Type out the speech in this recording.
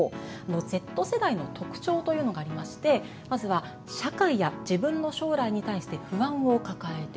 Ｚ世代の特徴というのがありましてまずは社会や自分の将来に対して不安を抱えている。